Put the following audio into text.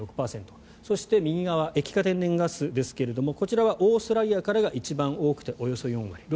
そして右側、液化天然ガスですがこちらはオーストラリアからが一番多くておよそ４割。